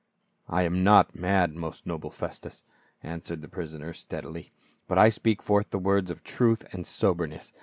" I am not mad, most noble Festus," answered the prisoner steadily, " but I speak forth the words of truth and soberness.